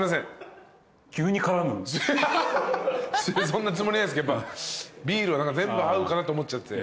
そんなつもりないですけどビールは何か全部合うかなと思っちゃって。